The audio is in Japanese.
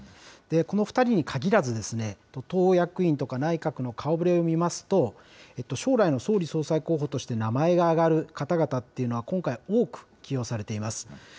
この２人に限らず、党役員とか内閣の顔ぶれを見ますと、将来の総理・総裁候補として名前が挙がる方々っていうのは、今回、多く起用されています。